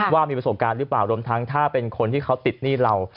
ว่ามีประสบการณ์หรือเปล่ารวมทั้งถ้าเป็นคนที่เขาติดหนี้เรา